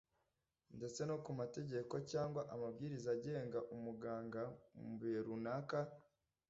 ndetse no ku mategeko cyangwa amabwiriza agenga umuganga mu bihe runaka